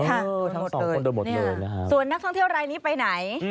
ทั้งหมดคนเดินหมดเลยนะฮะส่วนนักท่องเที่ยวรายนี้ไปไหน